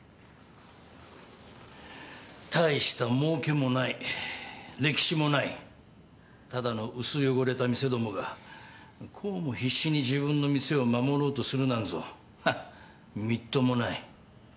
大したもうけもない歴史もないただの薄汚れた店どもがこうも必死に自分の店を守ろうとするなんぞみっともない。